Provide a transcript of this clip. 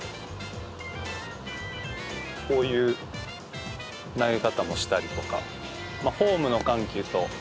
こういう投げ方もしたりとか。